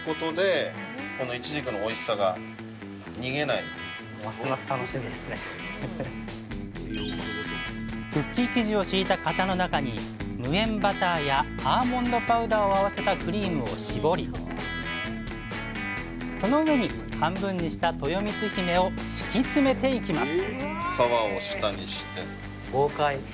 主役のとよみつひめはクッキー生地を敷いた型の中に無塩バターやアーモンドパウダーを合わせたクリームを絞りその上に半分にしたとよみつひめを敷き詰めていきます